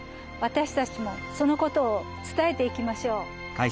わたしたちもその事を伝えていきましょう。